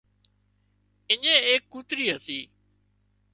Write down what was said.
اڃين ايڪ ڪوترِي هتي